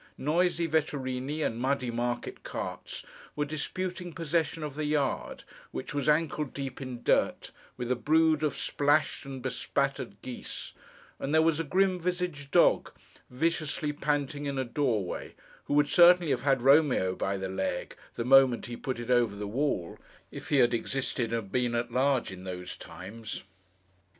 Noisy vetturíni and muddy market carts were disputing possession of the yard, which was ankle deep in dirt, with a brood of splashed and bespattered geese; and there was a grim visaged dog, viciously panting in a doorway, who would certainly have had Romeo by the leg, the moment he put it over the wall, if he had existed and been at large in those times.